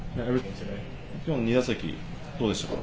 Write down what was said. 今日の２打席どうでしたか？